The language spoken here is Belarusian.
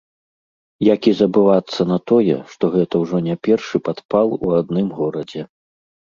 Як і забывацца на тое, што гэта ўжо не першы падпал у адным горадзе.